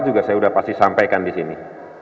juga saya sudah pasti sampaikan di sini